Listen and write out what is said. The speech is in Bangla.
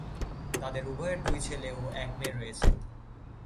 তাদের উভয়ের দুই ছেলে ও এক মেয়ে রয়েছে।